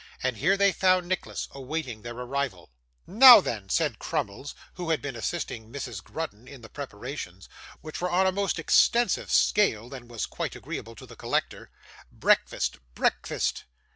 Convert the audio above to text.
And here they found Nicholas awaiting their arrival. 'Now then,' said Crummles, who had been assisting Mrs. Grudden in the preparations, which were on a more extensive scale than was quite agreeable to the collector. 'Breakfast, breakfast.